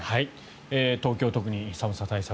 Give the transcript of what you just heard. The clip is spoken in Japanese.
東京、特に寒さ対策